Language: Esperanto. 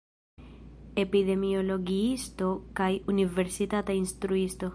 Epidemiologiisto kaj universitata instruisto.